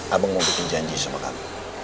abang mau bikin janji sama kami